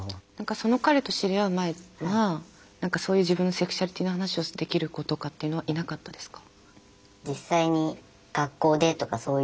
その彼と知り合う前はそういう自分のセクシュアリティーの話をできる子とかっていうのはいなかったですか？